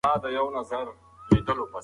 مهاراجا به شاه شجاع ته کالي ور لیږي.